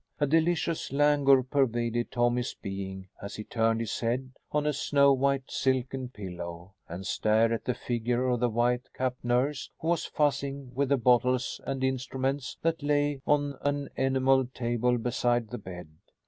A delicious languor pervaded Tommy's being as he turned his head on a snow white silken pillow and stared at the figure of the white capped nurse who was fussing with the bottles and instruments that lay on an enameled table beside the bed.